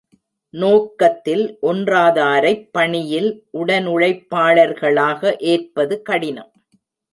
நோக்கத்தில் ஒன்றாதாரைப் பணியில் உடனுழைப்பாளர்களாக ஏற்பது கடினம்.